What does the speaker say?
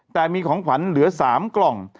แต่มีของขวัญเหลือ๓กล่อง